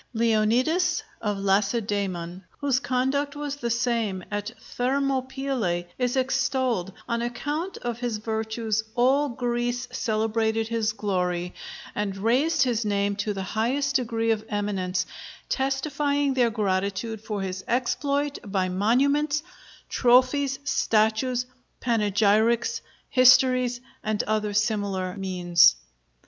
Leonidas of Lacedæmon, whose conduct was the same at Thermopylæ, is extolled; on account of his virtues all Greece celebrated his glory, and raised his name to the highest degree of eminence, testifying their gratitude for his exploit by monuments, trophies, statues, panegyrics, histories, and other similar means.